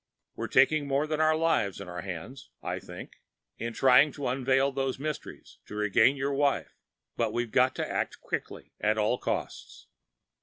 We're taking more than our lives in our hands, I think, in trying to unveil those mysteries, to regain your wife. But we've got to act quickly, at all costs.